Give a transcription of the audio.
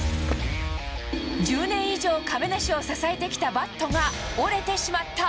１０年以上、亀梨を支えてきたバットが折れてしまった。